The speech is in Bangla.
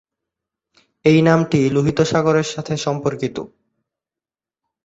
এই নামটি লোহিত সাগরের সাথে সম্পর্কিত।